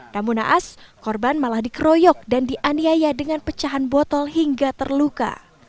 namun naas korban malah dikeroyok dan dianiaya dengan pecahan botol hingga terluka